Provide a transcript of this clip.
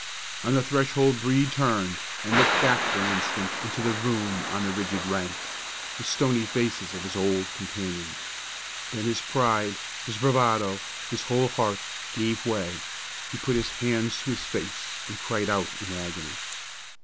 On the threshold Brede turned, and looked back for an instant into the room on the rigid ranks, the stony faces of his old companions. Then his pride, his bravado, his whole heart, gave way; he put his hands to his face, and cried out in agony.